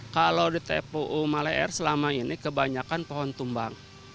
kalau di tpu malai r selama ini kebanyakan pohon tumbang